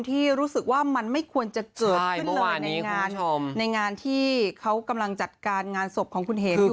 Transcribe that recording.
ที่รู้สึกว่ามันไม่ควรจะเกิดขึ้นเลยในงานในงานที่เขากำลังจัดการงานศพของคุณเหมอยู่